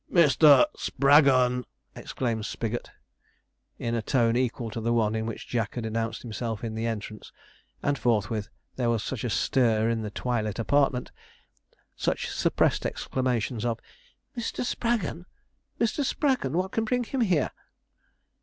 'MR. SPRAGGON!' exclaimed Spigot in a tone equal to the one in which Jack had announced himself in the entrance; and forthwith there was such a stir in the twilit apartment such suppressed exclamations of: 'Mr. Spraggon! Mr. Spraggon! What can bring him here?'